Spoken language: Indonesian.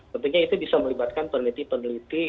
tentunya itu bisa melibatkan peneliti peneliti